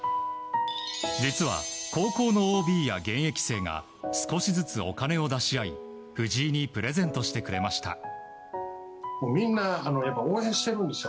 実は高校のＯＢや現役生が少しずつお金を出し合い藤井にプレゼントしてくれました。